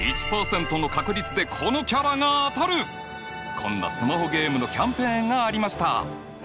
こんなスマホゲームのキャンペーンがありました。